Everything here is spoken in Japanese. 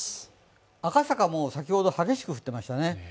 赤坂も先ほど激しく降っていましたね。